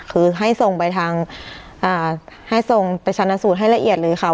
คือให้ส่งไปชั้นหน้าสูตรให้ละเอียดเลยค่ะ